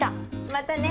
またね。